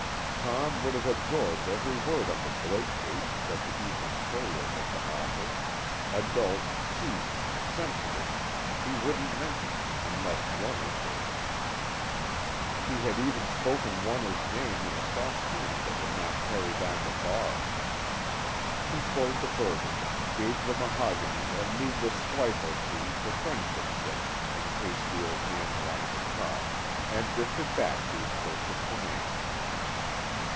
Tom would have absorbed every word on the Blake case that the evening Courier had to offer; adult, seasoned, sensitive, he wouldn't mention it unless Warner did. He had even spoken Warner's name in a soft tone that would not carry down the bar. He poured the bourbon, gave the mahogany a needless swipe or two for friendship's sake in case the Old Man wanted to talk, and drifted back to his post of command.